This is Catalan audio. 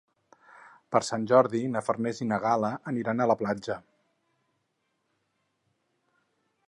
Per Sant Jordi na Farners i na Gal·la aniran a la platja.